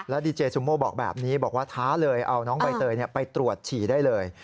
ดีเจซูโมบอกแบบนี้บอกว่าท้าเลยเอาน้องใบเตยไปตรวจฉี่ได้เลย